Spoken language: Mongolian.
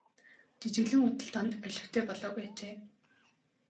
Жижиглэн худалдаа нь олигтой болоогүй ажээ.